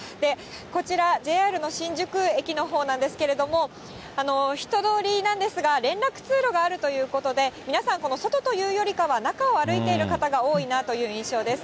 こちら、ＪＲの新宿駅のほうなんですけど、人通りなんですが、連絡通路があるということで、皆さんこの外というよりかは、中を歩いている方が多いなという印象です。